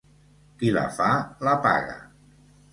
Qui la fa la paga.